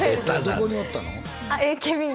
どこにおったの？